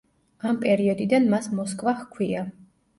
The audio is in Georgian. ამ პერიოდიდან მას მოსკვა ჰქვია.